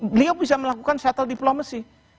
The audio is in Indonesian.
beliau bisa melakukan shuttle diplomacy